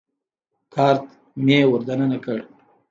کارت مې ور دننه کړ.